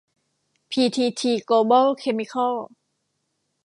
พีทีที โกลบอล เคมิคอล